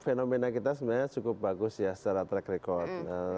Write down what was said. fenomena kita sebenarnya cukup bagus ya secara track record